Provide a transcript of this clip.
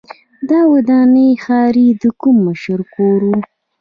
دا ودانۍ ښايي د کوم مشر کور و.